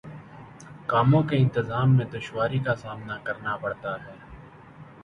کاموں کے انتظام میں دشواری کا سامنا کرنا پڑتا تھا